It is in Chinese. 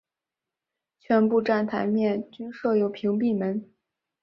全部站台面均设有屏蔽门。